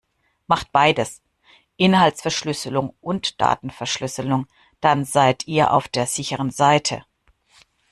Macht beides, Inhaltsverschlüsselung und Datenverschlüsselung, dann seit ihr auf der sicheren Seite.